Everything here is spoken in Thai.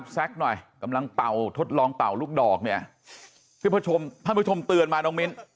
มีน้ำเปลือกมีอะไรก็มาดูแลตลอด